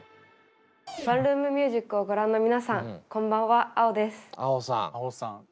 「ワンルーム☆ミュージック」をご覧の皆さんこんばんはａｏです。